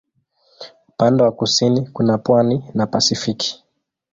Upande wa kusini kuna pwani na Pasifiki.